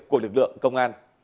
của lực lượng công an